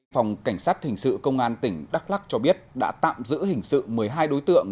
phòng cảnh sát hình sự công an tỉnh đắk lắc cho biết đã tạm giữ hình sự một mươi hai đối tượng